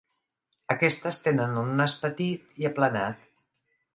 Aquestes tenen el nas petit i aplanat.